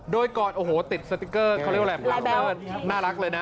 โดยก่อนโอ้โหติดสติ๊กเกอร์เขาเรียกว่าอะไรโปรน่ารักเลยนะ